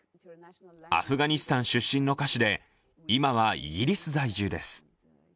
アフガニスタン出身の歌手で、今はイギリス在住です。